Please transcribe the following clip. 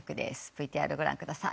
ＶＴＲご覧ください。